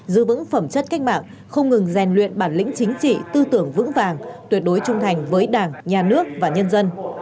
giữ vững phẩm chất cách mạng không ngừng rèn luyện bản lĩnh chính trị tư tưởng vững vàng tuyệt đối trung thành với đảng nhà nước và nhân dân